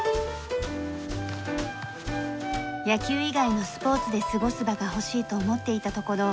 野球以外のスポーツで過ごす場が欲しいと思っていたところ